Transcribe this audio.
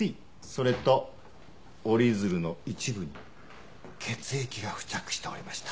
それと折り鶴の一部に血液が付着しておりました。